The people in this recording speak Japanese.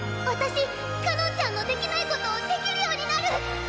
私かのんちゃんのできないことをできるようになる！